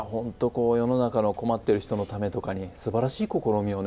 こう世の中の困ってる人のためとかにすばらしい試みをね